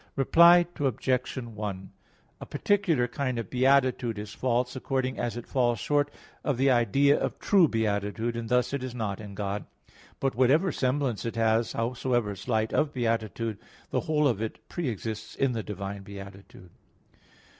Reply Obj. 1: A particular kind of beatitude is false according as it falls short of the idea of true beatitude; and thus it is not in God. But whatever semblance it has, howsoever slight, of beatitude, the whole of it pre exists in the divine beatitude.